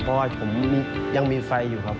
เพราะว่าผมยังมีไฟอยู่ครับ